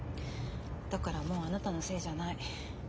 だからもうあなたのせいじゃない。